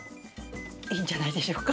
いいんじゃないでしょうか。